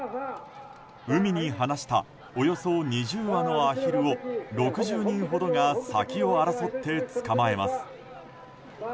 海に放したおよそ２０羽のアヒルを６０人ほどが先を争って捕まえます。